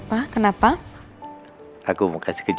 pasang kerja bisa berpura pura heran